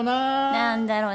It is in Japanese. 何だろな。